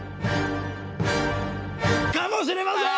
かもしれません！